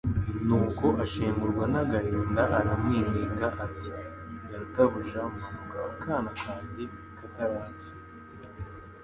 Nuko ashengurwa n'agahinda, aramwinginga ati: "Databuja, manuka, akana kanjye katarapfa.